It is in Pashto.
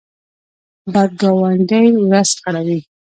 بد ګاونډی ورځ خړوي